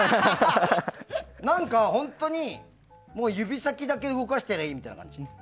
何か、本当に指先だけ動かしてりゃいいみたいな感じ。